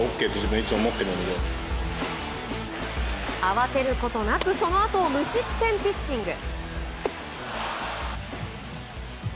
慌てることなくそのあとを無失点ピッチング。